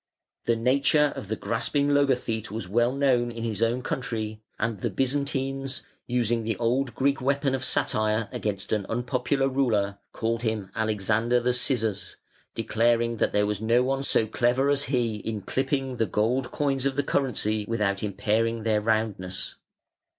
The nature of the grasping logothete was well known in his own country, and the Byzantines, using the old Greek weapon of satire against an unpopular ruler, called him "Alexander the Scissors", declaring that there was no one so clever as he in clipping the gold coins of the currency without impairing their roundness.